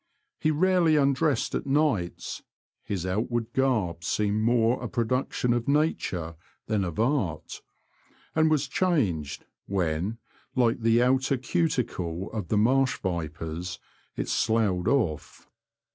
He rarely undressed at nights, his outward garb seemed more a production of nature than of art, and was changed, when, like the outer cuticle of the marsh vipers, it sloughed off.